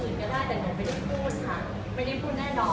ก็ได้แต่หนูไม่ได้พูดค่ะไม่ได้พูดแน่นอน